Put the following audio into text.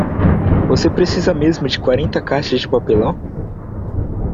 Você precisa mesmo de quarenta caixas de papelão?